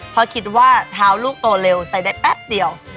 เพราะคิดว่าเท้าลูกโตเร็วใส่ได้แป๊บเดียว